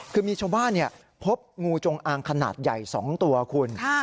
คือมีชาวบ้านพบงูจงอางขนาดใหญ่๒ตัวคุณ